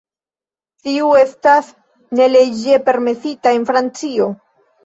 Tiu estas ne leĝe permesita en Francio.